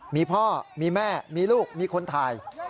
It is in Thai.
มีพ่อมีแม่มีลูกมีคนถ่าย